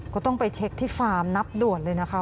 ก็ต้องไปเช็คที่ฟาร์มนับด่วนเลยนะคะ